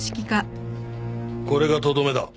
これがとどめだ。